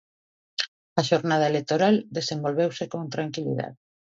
A xornada electoral desenvolveuse con tranquilidade.